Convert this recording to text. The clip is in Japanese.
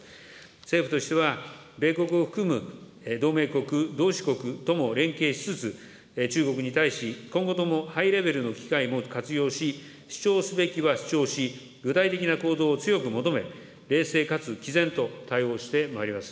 政府としては米国を含む同盟国、同志国とも連携しつつ、中国に対し、今後ともハイレベルの機会も活用し、主張すべきは主張し、具体的な行動を強く求め、冷静かつきぜんと対応してまいります。